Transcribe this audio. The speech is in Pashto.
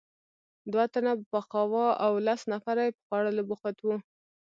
دوه تنه پخاوه او لس نفره یې په خوړلو بوخت وو.